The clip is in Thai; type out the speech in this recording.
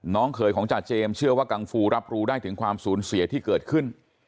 เคยของจ่าเจมส์เชื่อว่ากังฟูรับรู้ได้ถึงความสูญเสียที่เกิดขึ้น